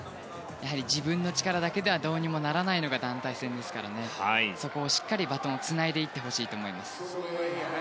自分の力だけではどうにもならないのが団体戦ですからそこをしっかりバトンをつないでいってほしいと思います。